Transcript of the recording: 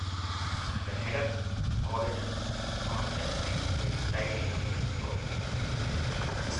The head of college of Constantine is titled the Principal.